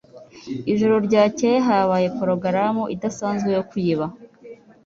Ijoro ryakeye habaye progaramu idasanzwe yo kwiba.